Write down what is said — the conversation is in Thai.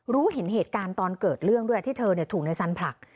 รู้เห็นเหตุการณ์ตอนเกิดเรื่องด้วยที่เธอถูกในสันผลัก